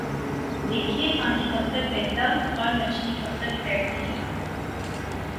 دیکھیے پانی کب تک بہتا اور مچھلی کب تک تیرتی ہے؟